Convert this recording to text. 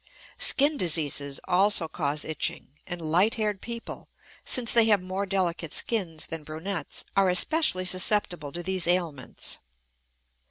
Skin diseases also cause itching; and light haired people, since they have more delicate skins that brunettes, are especially susceptible to these ailments.